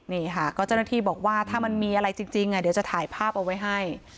นี่ค่ะก็เจ้าหน้าที่บอกว่าถ้ามันมีอะไรจริงเดี๋ยวจะถ่ายภาพเอาไว้ให้